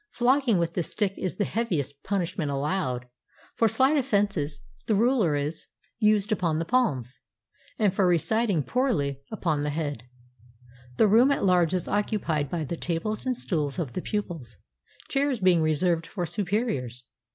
Flogging with this stick is the heavi est punishment allowed ; for slight offenses the ruler is 216 WHEN I WENT TO SCHOOL IN CHINA used upon the palms, and for reciting poorly, upon the head. The room at large is occupied by the tables and stools of the pupils, chairs being reserved for superiors.